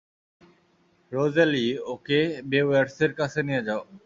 Rosalie, ওকে বেওয়্যার্সের কাছে নিয়ে যাও!